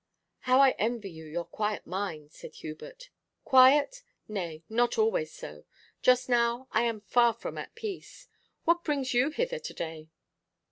'How I envy you your quiet mind!' said Hubert. 'Quiet? Nay, not always so. Just now I am far from at peace. What brings you hither to day?